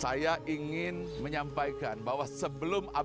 saya ingin menyampaikan bahwa sebelum abadi ini